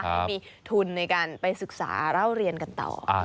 ให้มีทุนในการไปศึกษาเล่าเรียนกันต่อ